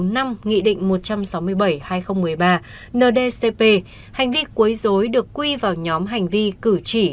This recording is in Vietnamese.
nghị định một trăm sáu mươi bảy hai nghìn một mươi ba ndcp hành vi cuối dối được quy vào nhóm hành vi cử chỉ